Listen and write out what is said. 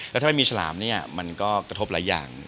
แล้วถ้าไม่มีฉลามเนี่ยมันก็กระทบหลายอย่าง